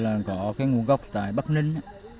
là có cái nguồn gốc tại bắc ninh